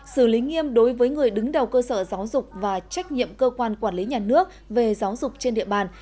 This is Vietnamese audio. xử lý nghiêm đối với người đứng đầu cơ sở giáo dục và trách nhiệm cơ quan quản lý nhà nước về giáo dục trên địa bàn